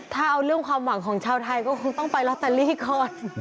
ถ้าเอาเรื่องความหวังของชาวไทยก็คงต้องไปลอตเตอรี่ก่อน